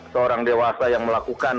seorang dewasa yang melakukan